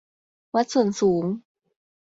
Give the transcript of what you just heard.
วัดส่วนสูง